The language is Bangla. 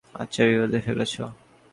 আচ্ছা বিপদে ফেলেছ।